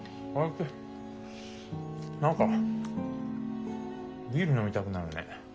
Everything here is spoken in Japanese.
何かビール飲みたくなるね。